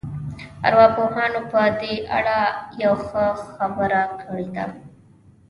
ارواپوهانو په دې اړه يوه ښه خبره کړې ده.